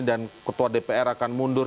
dan ketua dpr akan mundur